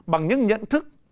bằng những nhận thức của mình